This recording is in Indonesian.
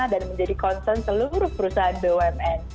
dan menjadi concern seluruh perusahaan bumn